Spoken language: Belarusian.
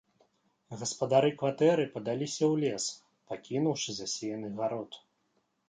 Гаспадары кватэры падаліся ў лес, пакінуўшы засеяны гарод.